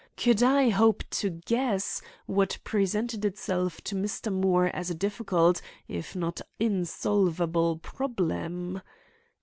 Could I hope to guess what presented itself to Mr. Moore as a difficult if not insolvable problem?